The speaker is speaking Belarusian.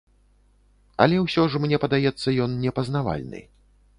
Але ўсё ж, мне падаецца, ён непазнавальны.